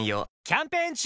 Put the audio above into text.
キャンペーン中！